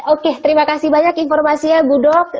oke terima kasih banyak informasinya budok